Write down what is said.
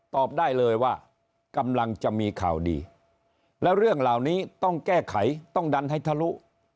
ตอบได้เลยว่ากำลังจะมีข่าวดีแล้วเรื่องเหล่านี้ต้องแก้ไขต้องดันให้ทะลุ